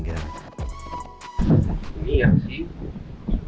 ini yang sih